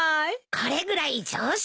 これぐらい常識だよ。